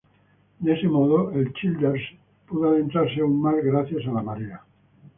De ese modo, el "Childers" pudo adentrarse aún más gracias a la marea.